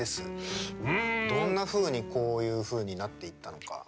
どんなふうにこういうふうになっていったのか。